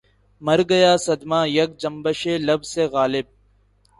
مرگیا صدمہٴ یک جنبشِ لب سے غالب